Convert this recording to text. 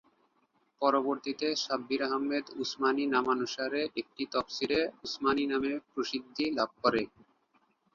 পরবর্তীতে শাব্বির আহমেদ উসমানির নামানুসারে এটি তাফসীরে উসমানী নামে প্রসিদ্ধি লাভ করে।